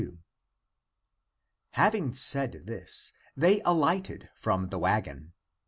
Having said this, they alighted from the wagon.